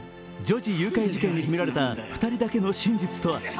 女児誘拐事件に秘められた２人だけの真実とは。